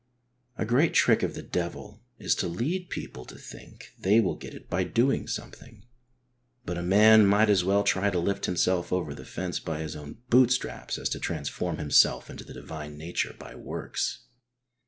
A great trick of the devil is to lead people to think they will get it by doing something, but a man might as well try to lift himself over the fence by his own bootstraps as to transform himself into the divine nature by works.